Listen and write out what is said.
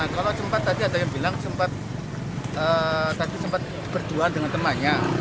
kalau sempat tadi ada yang bilang sempat tadi sempat berdua dengan temannya